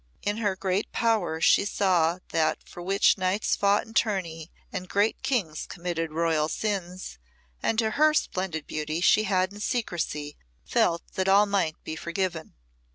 In her great power she saw that for which knights fought in tourney and great kings committed royal sins, and to her splendid beauty she had in secrecy felt that all might be forgiven.